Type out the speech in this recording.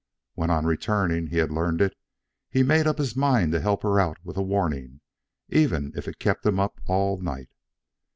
When on returning he had learned it, he made up his mind to help her out with a warning even if it kept him up all night.